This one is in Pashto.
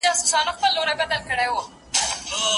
که چا بې له اجباره طلاق ورکړ، څه حکم لري؟